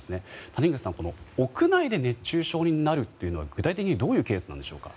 谷口さん、屋内で熱中症になるというのは具体的にどういうケースなんでしょうか。